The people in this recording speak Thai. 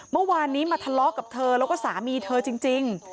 เมื่อวานนี้มาทะเลาะกับเธอแล้วก็สามีเธอจริง